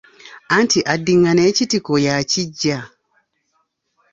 Anti addingana ekitiko y'akiggya.